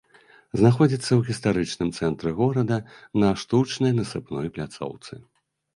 Знаходзіцца ў гістарычным цэнтры горада, на штучнай насыпной пляцоўцы.